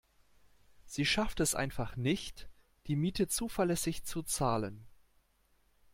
Sie schafft es einfach nicht, die Miete zuverlässig zu zahlen.